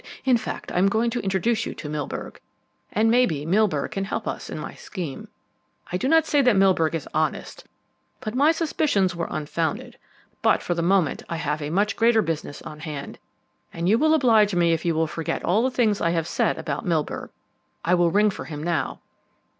"In fact, I am going to introduce you to Milburgh, and maybe, Milburgh can help us in my scheme. I do not say that Milburgh is honest, or that my suspicions were unfounded. But for the moment I have a much greater business on hand, and you will oblige me if you forget all the things I have said about Milburgh. I will ring for him now."